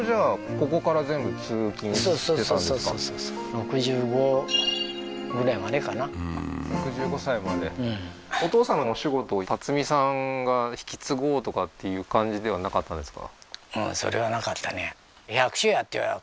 １４１５年お勤めされて６５歳までうんお父さまのお仕事を辰美さんが引き継ごうとかっていう感じでは無かったんですか？